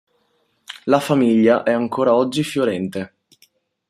La famiglia è ancora oggi fiorente.